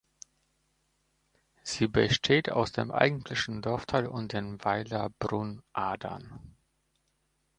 Sie besteht aus dem eigentlichen Dorfteil und dem Weiler Brunnadern.